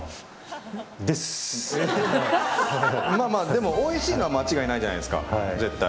でもおいしいのは間違いないじゃないですか、絶対。